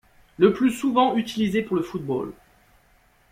Le plus souvent utilisé pour le football.